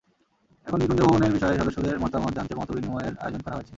এখন নিকুঞ্জ ভবনের বিষয়ে সদস্যদের মতামত জানতে মতবিনিময়ের আয়োজন করা হয়েছে।